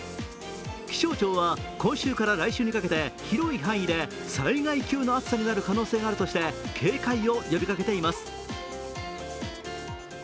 気象庁は今週から来週にかけて広い範囲で災害級の暑さになる可能性があるとして警戒を呼びかけています。